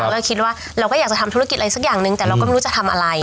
เราคิดว่าเราก็อยากจะทำธุรกิจอะไรสักอย่างนึงแต่เราก็ไม่รู้จะทำอะไร